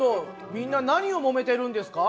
みんな何をもめてるんですか？